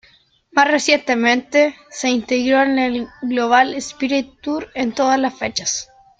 Más recientemente, se integró en el Global Spirit Tour en todas las fechas.